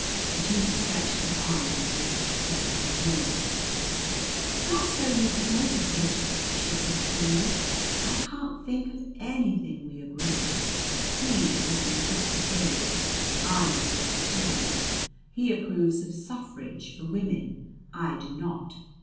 Bettina stretched her arms over her head and yawned. "Not so you could notice it," she said coolly. "I can't thick of anything we agree on. He is an Episcopalian; I'm a Presbyterian. He approves of suffrage for women; I do not.